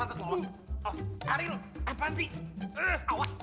aril apaan sih